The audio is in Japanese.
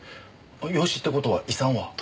養子って事は遺産は？